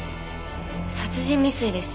殺人未遂です。